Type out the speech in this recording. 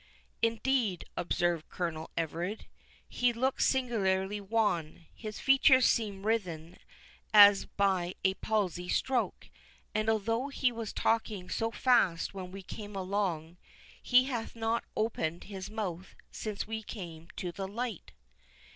"Indeed," observed Colonel Everard, "he looks singularly wan—his features seem writhen as by a palsy stroke; and though he was talking so fast while we came along, he hath not opened his mouth since we came to the light."